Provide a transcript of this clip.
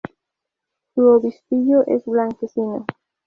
Su obispillo es blanquecino.